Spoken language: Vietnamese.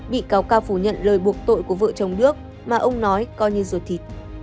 bị cáo ca phủ nhận lời buộc tội của vợ chồng đức mà ông nói coi như ruột thịt